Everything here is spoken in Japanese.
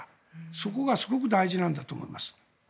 そこがすごく大事なんだと思います。